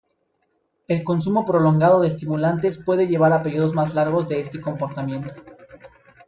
El consumo prolongado de estimulantes puede llevar a períodos más largos de este comportamiento.